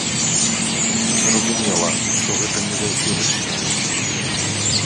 Зразумела, што гэта не заўсёды чытаюць.